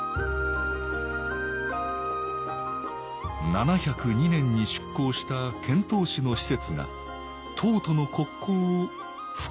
７０２年に出航した遣唐使の使節が唐との国交を復活させたのです